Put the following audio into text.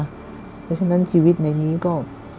เพราะฉะนั้นชีวิตในนี้ก็